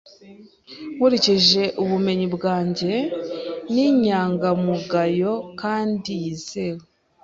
Nkurikije ubumenyi bwanjye, ni inyangamugayo kandi yizewe.